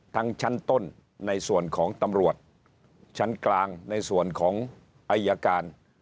ชั้นต้นในส่วนของตำรวจชั้นกลางในส่วนของอายการ